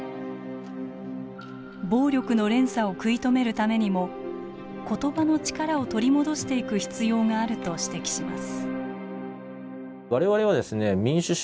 暴力の連鎖を食い止めるためにも言葉の力を取り戻していく必要があると指摘します。